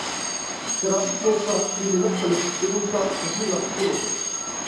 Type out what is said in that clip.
شارائىت بولسا قىيمىلىق قىلىپ پىشۇرۇلسا تېخىمۇ ياخشى بولىدۇ.